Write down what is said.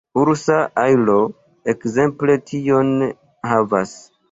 Ursa ajlo ekzemple tion havas.